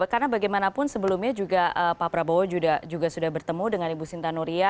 karena bagaimanapun sebelumnya juga pak prabowo juga sudah bertemu dengan ibu sinta nuria